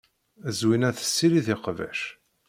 Zwina tessirid iqbac.